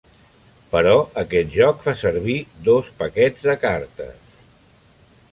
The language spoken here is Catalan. Però, aquest joc fa servir dos paquets de cartes.